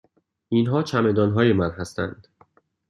اینها چمدان های من هستند.